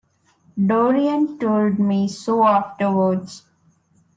Dorian told me so afterwards.